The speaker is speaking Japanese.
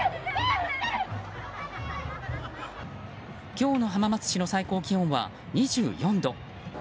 今日の浜松市の最高気温は２４度。